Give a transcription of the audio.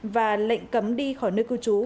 và lệnh cấm đi khỏi nơi cư trú